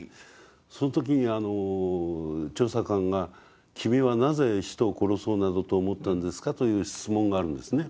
その時に調査官が「君はなぜ人を殺そうなどと思ったんですか」という質問があるんですね。